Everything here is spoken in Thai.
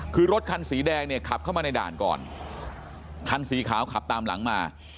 คือรถคันสีแดงเนี่ยขับเข้ามาในด่านก่อนคันสีขาวขับตามหลังมา